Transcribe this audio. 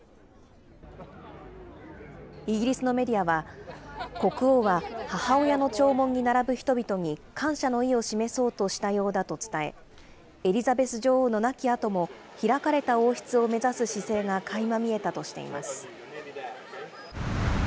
イギリスのメディアは、国王は母親の弔問に並ぶ人々に感謝の意を示そうとしたようだと伝え、エリザベス女王の亡きあとも、開かれた王室を目指す姿勢がかいま見えたとしています。